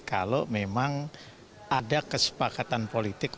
kalau memang ada kesepakatan politik